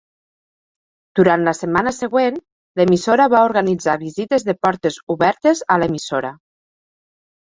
Durant la setmana següent, l'emissora va organitzar visites de portes obertes a l'emissora.